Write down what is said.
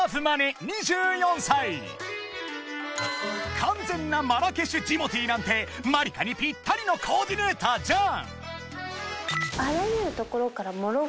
［完全なマラケシュジモティーなんてまりかにぴったりのコーディネーターじゃん！］